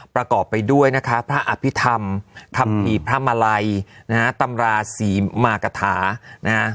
ประกอบไปด้วยนะคะพระอภิษฐรรมคัมภีร์พระมาลัยนะฮะตำราศรีมากฐานะฮะ